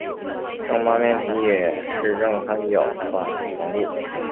正八面体也是正三角反棱柱。